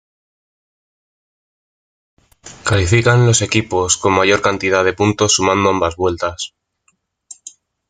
Califican los equipos con mayor cantidad de puntos sumando ambas vueltas.